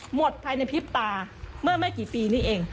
หมดภายในพริบตาเมื่อไม่กี่ปีนี้เอง